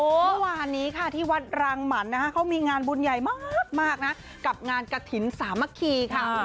เมื่อวานนี้ค่ะที่วัดรางหมันนะคะเขามีงานบุญใหญ่มากนะกับงานกระถิ่นสามัคคีค่ะ